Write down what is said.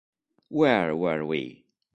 Where Were We?